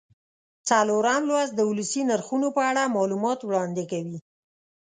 څلورم لوست د ولسي نرخونو په اړه معلومات وړاندې کوي.